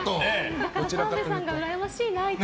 だから澤部さんがうらやましいなって。